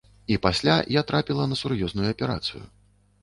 І пасля я трапіла на сур'ёзную аперацыю.